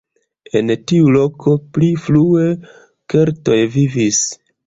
En tiu loko pli frue keltoj vivis.